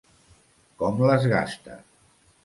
Com les gasta!